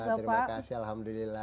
terima kasih alhamdulillah